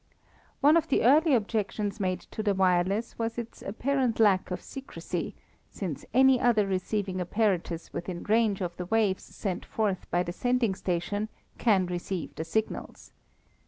One of the early objections made to the wireless was its apparent lack of secrecy, since any other receiving apparatus within range of the waves sent forth by the sending station can receive the signals.